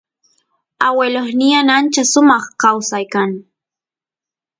aguelosnyan ancha sumaq kawsay kan